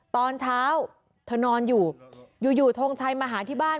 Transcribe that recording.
ตอนเช้าเธอนอนอยู่อยู่ทงชัยมาหาที่บ้าน